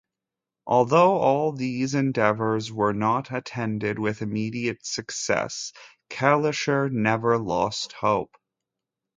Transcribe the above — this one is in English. Although all these endeavors were not attended with immediate success, Kalischer never lost hope.